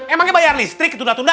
emangnya bayar listrik tunda tunda